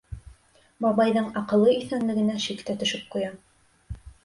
Бабайҙың аҡылы иҫәнлегенә шик тә төшөп ҡуя.